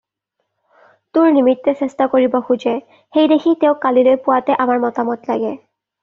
তোৰ নিমিত্তে চেষ্টা কৰিব খোজে, সেই দেখি তেওঁক কালিলৈ পুৱাতে আমাৰ মতামত লাগে।